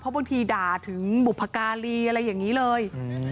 บางทีด่าถึงบุพการีอะไรอย่างนี้เลย